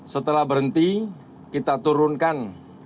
setelah berhenti kita turunkan